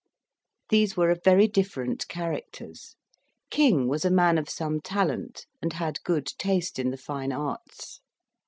These were of very different characters: King was a man of some talent, and had good taste in the fine arts.